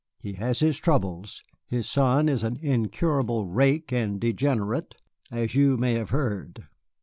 He has his troubles. His son is an incurable rake and degenerate, as you may have heard."